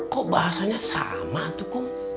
kok bahasanya sama tuh